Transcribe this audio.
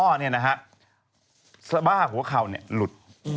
สะบาหาหัวเคราะห์หลุด